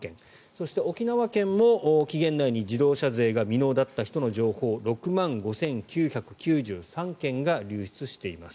そして沖縄県も自動車税が未納だった人の情報６万５９９３件が流出しています。